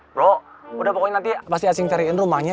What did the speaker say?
bro udah pokoknya nanti ya pasti asing cariin rumahnya